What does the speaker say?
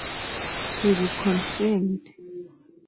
To be confirmed.